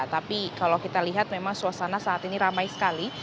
tapi kalau kita lihat memang suasana saat ini ramai sekali